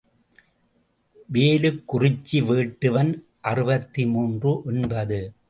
வேலுக் குறிச்சி வேட்டுவன் அறுபத்து மூன்று ஒன்பது.